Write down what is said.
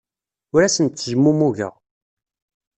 Ur asen-ttezmumugeɣ.